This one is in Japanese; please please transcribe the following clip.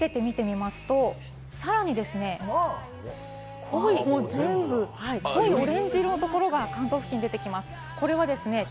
そして明日にかけて見てみますと、さらに濃いオレンジ色のところが関東付近に出てきます。